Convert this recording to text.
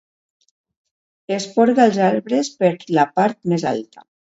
Esporga els arbres per la part més alta.